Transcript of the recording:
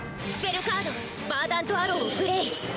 スペルカードヴァーダントアローをプレイ！